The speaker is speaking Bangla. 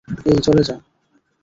এই, চলে যা।